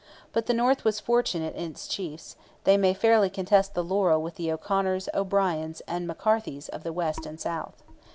But the north was fortunate in its chiefs; they may fairly contest the laurel with the O'Conors, O'Briens and McCarthys of the west and south.